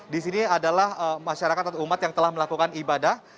di sini adalah masyarakat atau umat yang telah melakukan ibadah